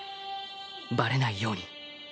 バレないように。